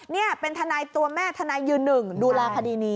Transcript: นี่เป็นทนายตัวแม่ทนายยืนหนึ่งดูแลคดีนี้